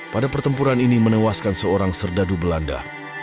pada pertempuran ini menewaskan seorang serdadu belanda